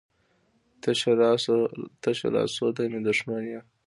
تشه لاسو ته مې دښمن یې.